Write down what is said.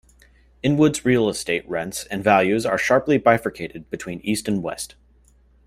Inwood's real estate rents and values are sharply bifurcated between east and west.